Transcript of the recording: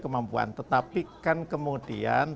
kemampuan tetapi kan kemudian